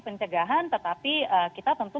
pencegahan tetapi kita tentu